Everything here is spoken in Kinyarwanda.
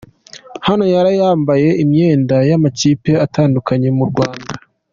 Hano yari yambaye imyenda y'amakipe atandukanye mu Rwanda.